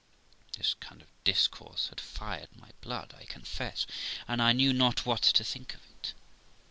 This kind of discourse had fired my blood, I confess, and I knew not what to think of it.